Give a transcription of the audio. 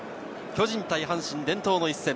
巨人対阪神、伝統の一戦。